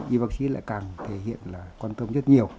y bác sĩ lại càng thể hiện là quan tâm rất nhiều